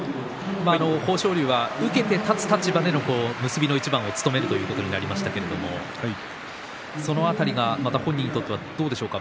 豊昇龍は受けて立つ立場での結びの一番を務めるということになりましたけれどもその辺りまた、本人にとってどうでしょうか。